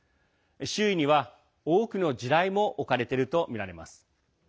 周囲には多くの地雷も置かれているとみられます。